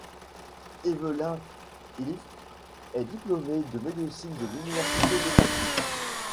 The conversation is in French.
Evelin Ilves est diplômée de médecine de l'Université de Tartu.